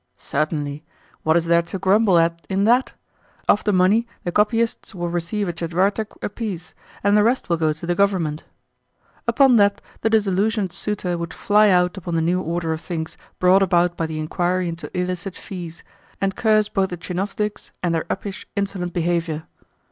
"Certainly. What is there to grumble at in that? Of the money the copyists will receive a tchetvertak apiece, and the rest will go to the Government." Upon that the disillusioned suitor would fly out upon the new order of things brought about by the inquiry into illicit fees, and curse both the tchinovniks and their uppish, insolent behaviour.